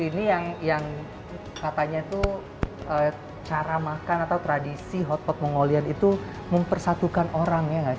ini yang katanya itu cara makan atau tradisi hotpot mongolian itu mempersatukan orang ya